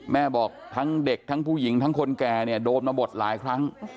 แม่บอกทั้งเด็กทั้งผู้หญิงทั้งคนแก่เนี่ยโดนมาหมดหลายครั้ง